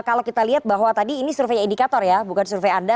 kalau kita lihat bahwa tadi ini survei indikator ya bukan survei anda